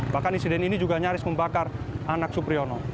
bahkan insiden ini juga nyaris membakar anak supriyono